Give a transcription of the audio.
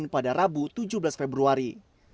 pada rabu tujuh belas februari